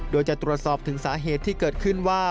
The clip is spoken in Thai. โดยจะตรวจสอบถึงสาเหตุที่เกิดขึ้นว่า